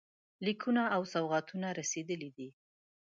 لیکونه او سوغاتونه رسېدلي دي.